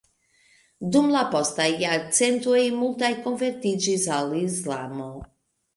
Dum la postaj jarcentoj multaj konvertiĝis al Islamo.